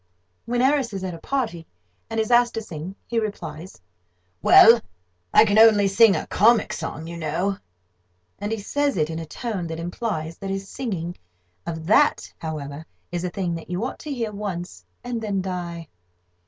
When Harris is at a party, and is asked to sing, he replies: "Well, I can only sing a comic song, you know;" and he says it in a tone that implies that his singing of that, however, is a thing that you ought to hear once, and then die.